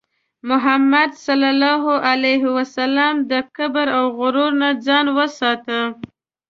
محمد صلى الله عليه وسلم د کبر او غرور نه ځان ساته.